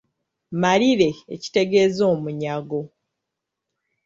Malire ekitegeeza omunyago.